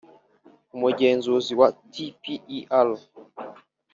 umugenzuzi wa tpir